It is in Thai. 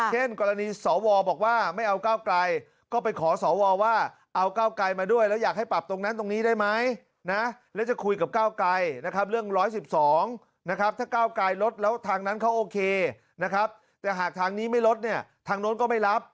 กรณีสวบอกว่าไม่เอาก้าวไกลก็ไปขอสวว่าเอาก้าวไกลมาด้วยแล้วอยากให้ปรับตรงนั้นตรงนี้ได้ไหมนะแล้วจะคุยกับก้าวไกลนะครับเรื่อง๑๑๒นะครับถ้าก้าวไกลลดแล้วทางนั้นเขาโอเคนะครับแต่หากทางนี้ไม่ลดเนี่ยทางโน้นก็ไม่รับ